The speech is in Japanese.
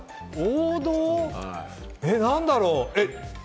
何だろう？